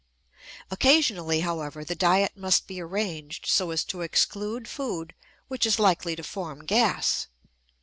Occasionally, however, the diet must be arranged so as to exclude food which is likely to form gas.